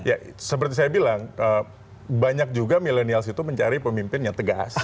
ya seperti saya bilang banyak juga milenials itu mencari pemimpin yang tegas